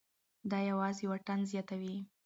دا یوازې واټن زیاتوي.